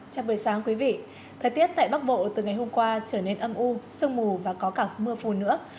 chào mừng sáng quý vị thời tiết tại bắc bộ từ ngày hôm qua trở nên âm u sương mù và có cả mưa phù nữa